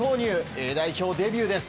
Ａ代表デビューです。